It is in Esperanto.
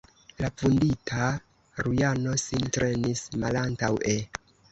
La vundita Rujano sin trenis malantaŭe.